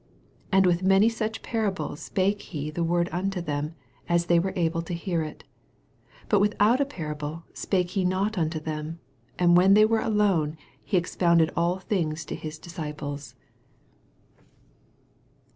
33 And with many such parables spake he the word unto them, as they were able to hear it. 34 But without a parable spake he not unto them : and when they were alone, he expounded all things to hia disciples.